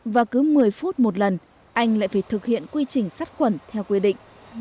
và cứ một mươi phút một lần anh lại phải thực hiện quy trình sát khuẩn theo quy định